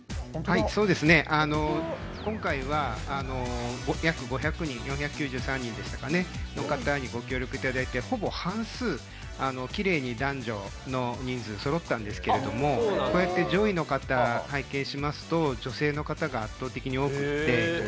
今回は４９３人の方にご協力いただいて、ほぼ半数きれいに男女の人数そろったんですけれども上位の方を拝見すると女性の方が圧倒的に多くて。